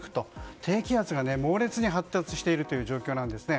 低気圧が猛烈に発達している状況なんですね。